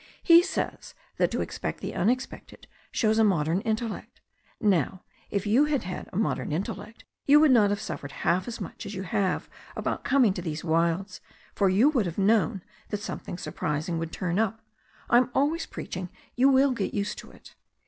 He says that to expect the unexpected shows a modern intellect. Now if you had had a modern intellect, you would not have suffered half as much as you have about coming to these wilds, for you would have known that something surprising would turn up. I'm always preaching. You will get used to it."